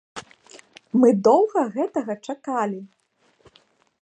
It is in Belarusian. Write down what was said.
Мы доўга гэтага чакалі!